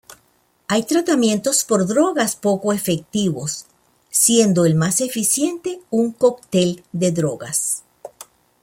Hay tratamientos por drogas poco efectivos, siendo el más eficiente un cóctel de drogas.